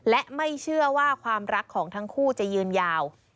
และไม่เชื่อว่าความรักของทั้งคู่จะยืนยาว